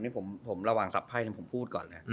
นี่ผมระหว่างทรัพย์นึงผมพูดก่อน